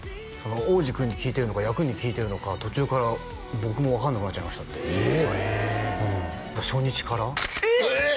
央士君に聞いてるのか役に聞いてるのか途中から僕も分かんなくなっちゃいましたってええっええ初日からええっ！？